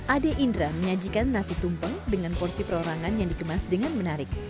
ade indra menyajikan nasi tumpeng dengan porsi perorangan yang dikemas dengan menarik